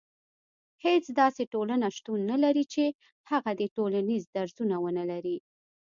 هيڅ داسي ټولنه شتون نه لري چي هغه دي ټولنيز درځونه ونلري